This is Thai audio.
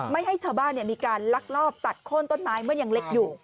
ไม่ให้ชาวบ้านมีการลักลอบตัดโค้นต้นไม้เมื่อยังเล็กอยู่